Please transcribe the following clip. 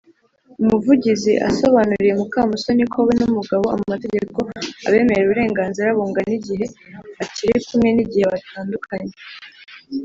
umuvugizi asobanuriye mukamusoni ko we n’umugabo amategeko abemerera uburenganzira bungana igihe bakiri kumwe n’igihe batandukanye.